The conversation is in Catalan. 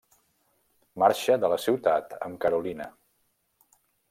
Marxa de la ciutat amb Carolina.